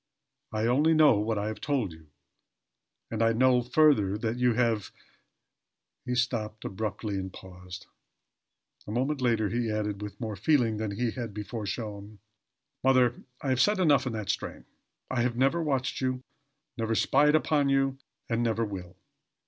I only know what I have told you, and I know further that you have " He stopped abruptly and paused. A moment later he added, with more feeling than he had before shown, "Mother, I have said enough in that strain. I have never watched you, never spied upon you, and never will.